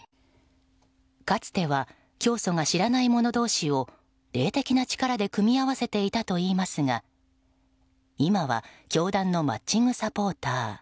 かつては教祖が知らない者同士を霊的な力で組み合わせていたといいますが今は教団のマッチングサポーター